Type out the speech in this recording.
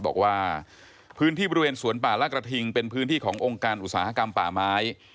บอกว่าพื้นที่บริเวณสวนป่าละกระทิงเป็นพื้นที่ขององค์การอุตสาหกรรมป่าไม้